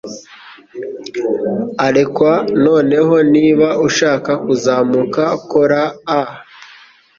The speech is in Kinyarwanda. A le quai noneho niba ushaka kuzamuka kora a